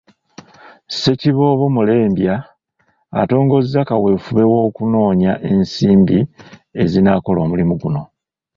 Ssekiboobo Mulembya atongoza kaweefube w'okunoonya ensimbi ezinaakola omulimu guno.